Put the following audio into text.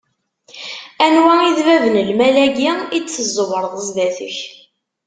Anwa i d bab n lmal-agi i d-tezzewreḍ zdat-k?